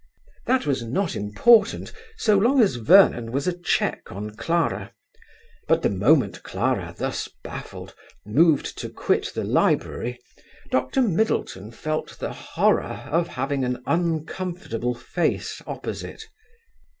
That was not important, so long as Vernon was a check on Clara; but the moment Clara, thus baffled, moved to quit the library, Dr. Middleton felt the horror of having an uncomfortable face opposite.